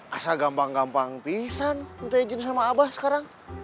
asal gampang gampang pisah neng minta izin sama abah sekarang